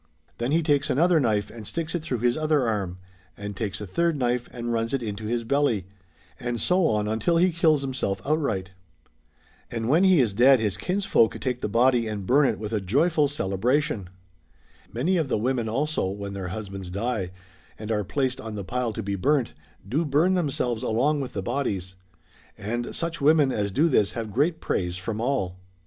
Then he takes another knife and sticks it through his other arm, and takes a third knife and runs it into his belly, and so on until he kills himself outright. And when he is dead his kinsfolk take the body and burn it with a joyful celebration.^ Many of the women also, when their husbands die and are placed on the pile to be burnt, do burn themselves along with the bodies. And such women as do this have great praise from all.